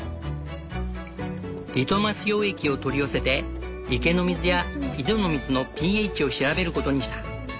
リトマス溶液を取り寄せて池の水や井戸の水のｐＨを調べることにした。